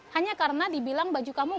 hanya karena dibilang baju kamu